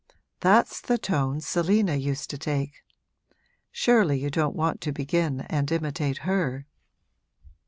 That's the tone Selina used to take. Surely you don't want to begin and imitate her!'